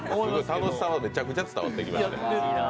楽しさはめちゃくちゃ伝わってきました